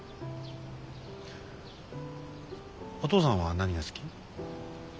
お父さんは何が好き？